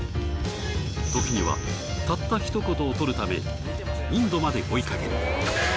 時にはたったひと言を撮るためにインドまで追いかける。